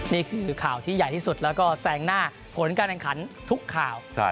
นี่คือข่าวที่ใหญ่ที่สุดแล้วก็แสงหน้าผลการแข่งขันทุกข่าว